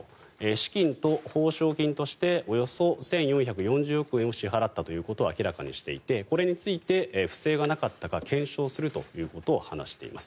資金と報奨金としておよそ１４４０億円を支払ったということを明らかにしていてこれについて不正がなかったか検証するということを話しています。